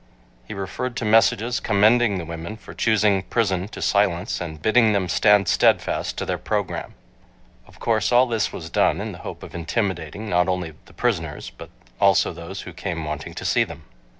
He referred to messages commending the women for choosing prison to silence, and bidding them stand steadfast to their program. Of course all this was done in the hope of intimidating not only the prisoners, but also those who came wanting to see them.